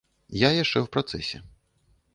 Я яшчэ ў працэсе.